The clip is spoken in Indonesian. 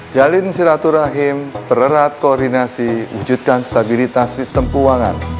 jalin silaturahim pererat koordinasi wujudkan stabilitas sistem keuangan